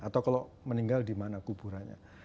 atau kalau meninggal dimana kuburannya